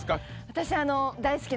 私。